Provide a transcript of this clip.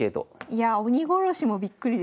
いや鬼ごろしもびっくりですね。